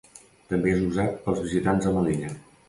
També és usat pels visitants a Melilla.